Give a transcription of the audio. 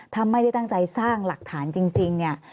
ถ้าไม่ได้ตั้งใจสร้างหลักฐานจริงเนี่ย